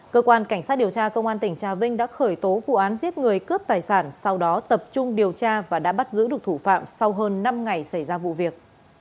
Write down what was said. cơ quan cảnh sát điều tra công an tỉnh trà vinh đã khởi tố vụ án giết người cướp tài sản sau đó tập trung điều tra và đã bắt giữ được thủ phạm sau hơn năm ngày xảy ra vụ việc